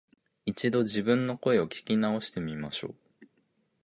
一度、自分の声を聞き直してみましょう